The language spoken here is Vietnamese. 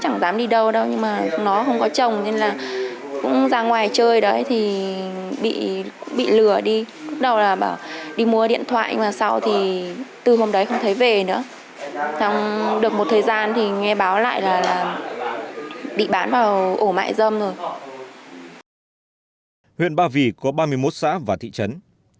huyện ba vì có ba mươi một xã và thị trấn